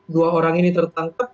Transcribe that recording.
dua orang ini tertangkap